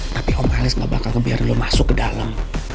tapi om halis gak bakal biar lo masuk ke dalam